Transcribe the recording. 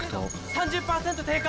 ３０％低下！